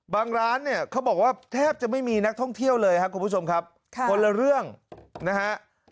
ร้านเนี่ยเขาบอกว่าแทบจะไม่มีนักท่องเที่ยวเลยครับคุณผู้ชมครับคนละเรื่องนะฮะ